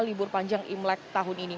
libur panjang imlek tahun ini